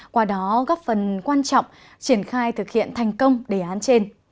qua đó góp phần quan trọng triển khai thực hiện thành công đề án trên